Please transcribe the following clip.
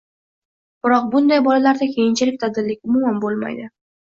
biroq bunday bolalarda keyinchalik dadillik umuman bo‘lmaydi.